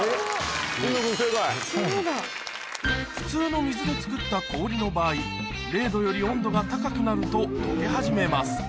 普通の水で作った氷の場合０℃より温度が高くなると解け始めます